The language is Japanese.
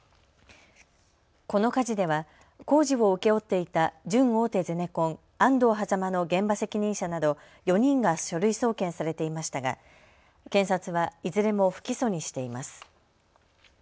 この火事では工事を請け負っていた準大手ゼネコン、安藤ハザマの現場責任者など４人が書類送検されていましたが検察はいずれも不起訴にしています。